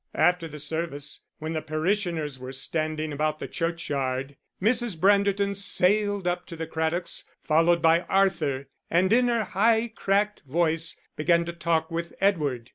After the service, when the parishioners were standing about the churchyard, Mrs. Branderton sailed up to the Craddocks followed by Arthur, and in her high, cracked voice began to talk with Edward.